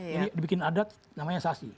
jadi dibikin adat namanya sasi